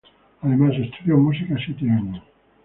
Además, estudió música siete años.